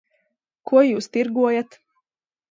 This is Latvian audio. Ko jūs tirgojat?